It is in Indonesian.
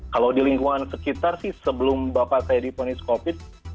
kalau di lingkungan sekitar sih sebelum bapak saya diponis covid